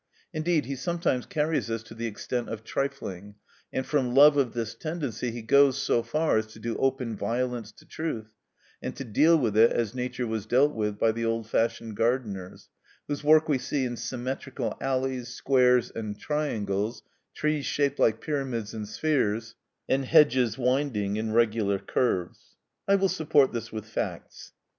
Indeed, he sometimes carries this to the extent of trifling, and from love of this tendency he goes so far as to do open violence to truth, and to deal with it as Nature was dealt with by the old fashioned gardeners, whose work we see in symmetrical alleys, squares, and triangles, trees shaped like pyramids and spheres, and hedges winding in regular curves. I will support this with facts.